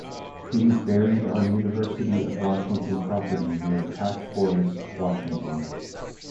He was buried on University of Washington property near Pack Forest, Washington.